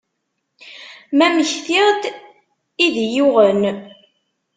Ma mektiɣ-d i d iyi-yuɣen.